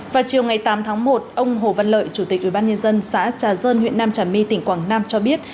vào chiều ngày tám tháng một ông hồ văn lợi chủ tịch ubnd xã trà dơn huyện nam trà my tỉnh quảng nam cho biết